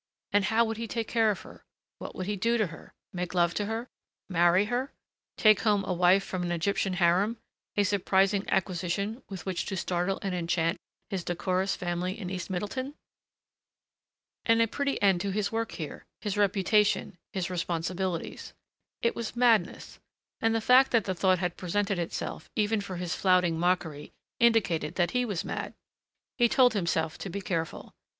And how would he take care of her? What would he do to her? Make love to her? Marry her? Take home a wife from an Egyptian harem a surprising acquisition with which to startle and enchant his decorous family in East Middleton! And a pretty end to his work here, his reputation, his responsibilities It was madness. And the fact that the thought had presented itself, even for his flouting mockery, indicated that he was mad. He told himself to be careful.